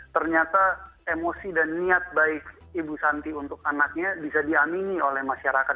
ternyata emosi dan niat baik ibu santi untuk anaknya bisa diamini oleh masyarakat